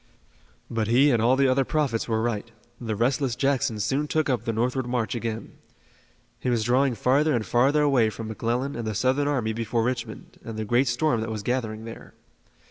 But he and all the other prophets were right. The restless Jackson soon took up the northward march again. He was drawing farther and farther away from McClellan and the Southern army before Richmond, and the great storm that was gathering there.